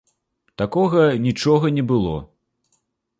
Такога нічога не было.